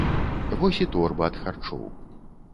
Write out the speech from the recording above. Вось і торба ад харчоў.